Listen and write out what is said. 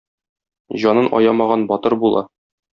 Җанын аямаган батыр була.